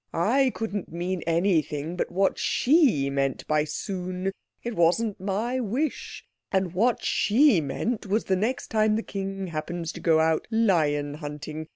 "I couldn't mean anything but what she meant by 'soon'. It wasn't my wish. And what she meant was the next time the King happens to go out lion hunting.